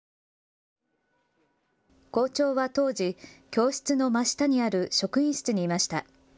校長は当時、教室の真下にある職員室にいました。